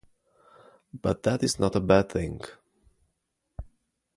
But that is not a bad thing.